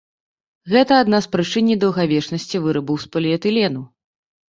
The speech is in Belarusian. Гэта адна з прычын недаўгавечнасці вырабаў з поліэтылену.